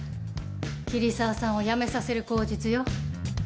桐沢さんを辞めさせる口実よ。